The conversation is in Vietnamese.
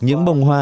những bông hoa